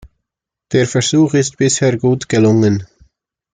Der Versuch ist bisher gut gelungen.